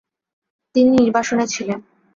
তিনি নির্বাসনে ছিলেন।